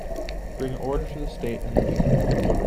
Bring order to the state and the people.